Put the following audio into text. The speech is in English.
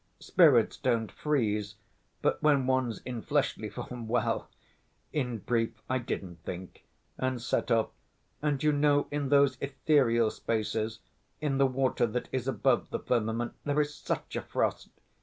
Spirits don't freeze, but when one's in fleshly form, well ... in brief, I didn't think, and set off, and you know in those ethereal spaces, in the water that is above the firmament, there's such a frost